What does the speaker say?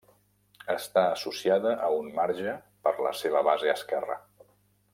Està associada a un marge per la seva base esquerra.